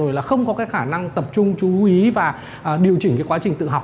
rồi là không có cái khả năng tập trung chú ý và điều chỉnh cái quá trình tự học